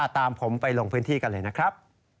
ตามผมไปลงพื้นที่กันเลยนะครับ